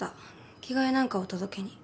着替えなんかを届けに。